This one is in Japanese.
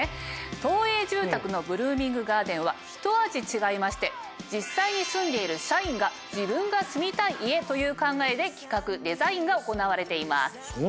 東栄住宅のブルーミングガーデンはひと味違いまして実際に住んでいる社員が自分が住みたい家という考えで企画・デザインが行われています。